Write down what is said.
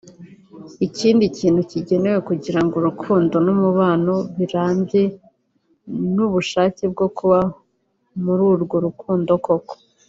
Ikindi kintu gikenewe kugira ngo urukundo n’umubano birambe ni ubushake bwo kuba muri urwo rukundo koko